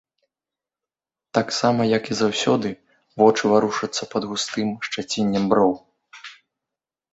Таксама, як і заўсёды, вочы варушацца пад густым шчаціннем броў.